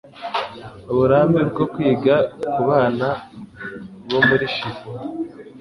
uburambe bwo kwiga kubana bo muri Chili